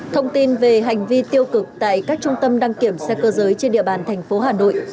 thông tin về hành vi tiêu cực tại các trung tâm đăng kiểm xe cơ giới trên địa bàn thành phố hà nội